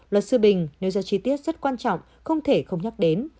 luật sư bình nêu ra chi tiết rất quan trọng không thể không nhắc đến